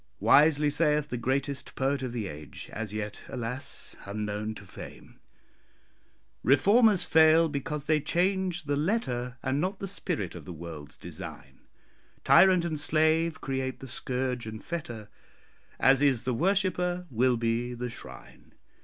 "Wisely saith the greatest poet of the age, as yet, alas! unknown to fame: "Reformers fail because they change the letter, And not the spirit, of the world's design. Tyrant and slave create the scourge and fetter As is the worshipper, will be the shrine.